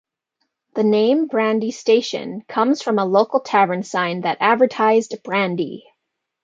The name Brandy Station comes from a local tavern sign that advertised brandy.